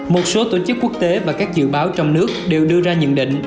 một số tổ chức quốc tế và các dự báo trong nước đều đưa ra nhận định